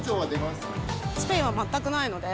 スペインは全くないので。